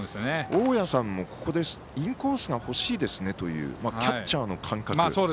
大矢さんもここでインコースが欲しいですねというキャッチャーの感覚。